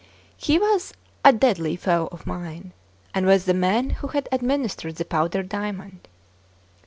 He was a deadly foe of mine, and was the man who had administered the powdered diamond.